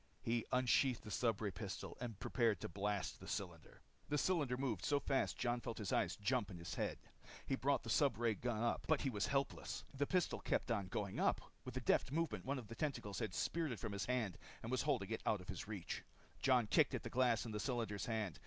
He unsheathed the stubray gun and prepared to blast the cylinder. The cylinder moved so fast Jon felt his eyes jump in his head. He brought the stubray gun up but he was helpless. The pistol kept on going up. With a deft movement, one of the tentacles had speared it from his hand and was holding it out of his reach. Jon kicked at the glass in the cylinder's hand.